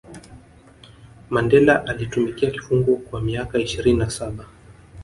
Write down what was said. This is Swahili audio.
mandela alitumikia kifungo kwa miaka ishirini na saba